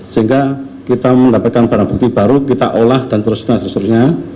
sehingga kita mendapatkan barang bukti baru kita olah dan terus terusnya